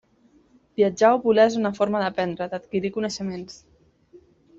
Viatjar o volar és una forma d'aprendre, d'adquirir coneixements.